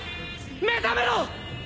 目覚めろ！！